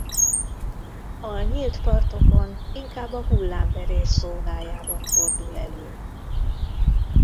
A nyílt partokon inkább a hullámverés zónájában fordul elő.